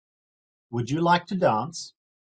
Would you like to dance?